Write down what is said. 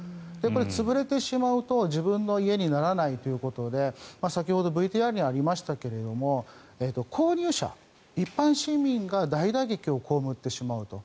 潰れてしまうと自分の家にならないということで先ほどＶＴＲにもありましたが購入者、一般市民が大打撃を被ってしまうと。